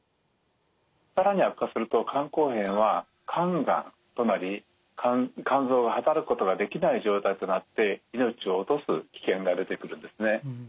更に悪化すると肝硬変は肝がんとなり肝臓が働くことができない状態となって命を落とす危険が出てくるんですね。